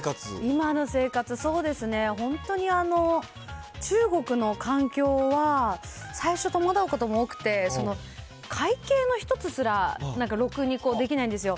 今の生活、そうですね、本当に中国の環境は、最初、戸惑うことも多くて、会計の１つすらなんかろくにできないんですよ。